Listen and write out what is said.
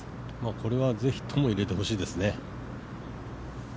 これはぜひとも入れてほしいですね。